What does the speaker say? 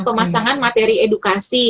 pemasangan materi edukasi